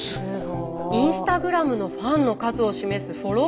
インスタグラムのファンの数を示すフォロワー数は１９万人。